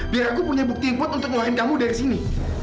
biar aku punya bukti yang kuat untuk ngeluhin kamu dari sini